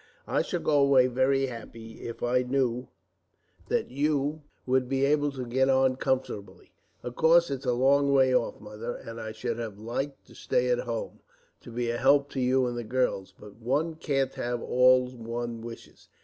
I should go away very happy, if I knew that you would be able to get on comfortably. Of course it's a long way off, Mother, and I should have liked to stay at home, to be a help to you and the girls; but one can't have all one wishes.